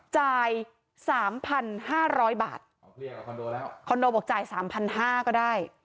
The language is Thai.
จ่าย๓๕๐๐บาทคอนโดบอกจ่าย๓๕๐๐ก็ได้